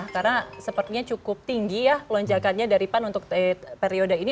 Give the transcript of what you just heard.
karena sepertinya cukup tinggi lonjakannya dari pan untuk periode ini